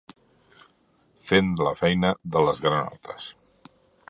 Fent la feina de les granotes.